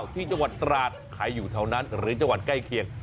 ที่จังหวัดตราดใครอยู่แถวนั้นหรือจังหวัดใกล้เคียง